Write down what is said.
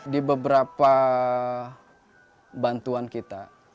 di beberapa bantuan kita